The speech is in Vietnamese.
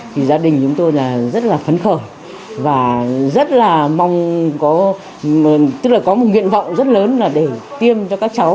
thì gia đình chúng tôi là rất là phấn khởi và rất là mong có tức là có một nguyện vọng rất lớn là để tiêm cho các cháu